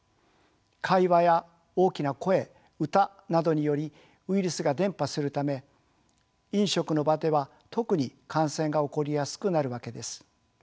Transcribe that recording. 会話や大きな声歌などによりウイルスが伝播するため飲食の場では特に感染が起こりやすくなるわけです。